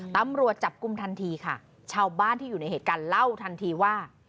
ตำรวจจับกลุ่มทันทีค่ะชาวบ้านที่อยู่ในเหตุการณ์เล่าทันทีว่า